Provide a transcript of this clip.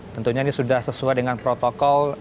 tentunya ini sudah sesuai dengan protokol